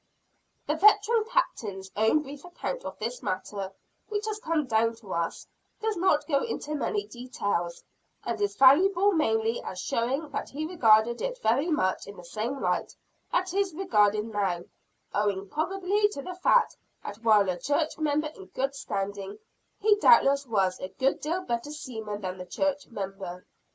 The veteran Captain's own brief account of this matter, which has come down to us, does not go into many details, and is valuable mainly as showing that he regarded it very much in the same light that it is regarded now owing probably to the fact that while a church member in good standing, he doubtless was a good deal better seaman than church member.